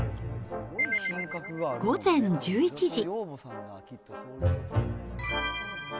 午前１１時。